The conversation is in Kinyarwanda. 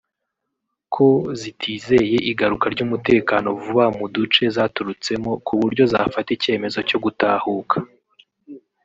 ko zitizeye igaruka ry’umutekano vuba mu duce zaturutsemo ku buryo zafata icyemezo cyo gutahuka